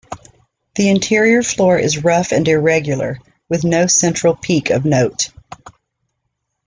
The interior floor is rough and irregular, with no central peak of note.